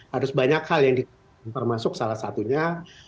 harus banyak hal yang termasuk salah satunya